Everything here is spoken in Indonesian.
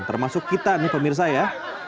termasuk kita nih pemirsa ya